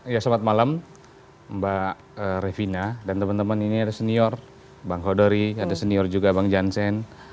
ya selamat malam mbak revina dan teman teman ini ada senior bang khodori ada senior juga bang jansen